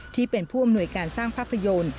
ที่เป็นผู้อำนวยการสร้างภาพยนตร์